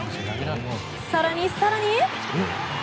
更に更に。